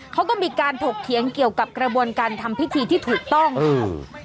เขาก็มีการถกเถียงเกี่ยวกับกระบวนการทำพิธีที่ถูกต้องค่ะ